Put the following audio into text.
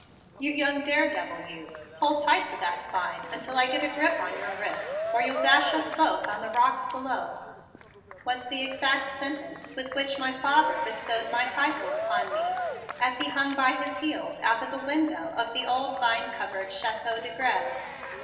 "You young daredevil, you, hold tight to that vine until I get a grip on your wrist, or you'll dash us both on the rocks below," was the exact sentence with which my father bestowed my title upon me as he hung by his heels out of a window of the old vine covered Chateau de Grez.